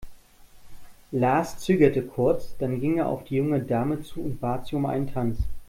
Lars zögerte kurz, dann ging er auf die junge Dame zu und bat sie um einen Tanz.